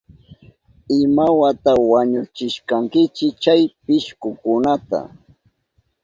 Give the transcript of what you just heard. ¿Imawata wañuchishkankichi chay pishkukunata?